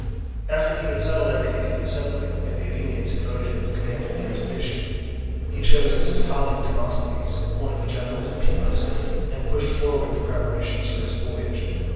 After he had settled everything in the assembly, and the Athenians had voted him the command of the expedition, he chose as his colleague Demosthenes, one of the generals at Pylos, and pushed forward the preparations for his voyage.